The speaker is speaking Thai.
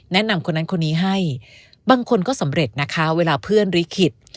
แนะนำคนนั้นคนนี้ให้บางคนก็สำเร็จนะคะเวลาเพื่อนริขิต